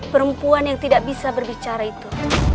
perempuan yang tidak bisa berbicara itu